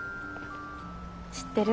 知ってる？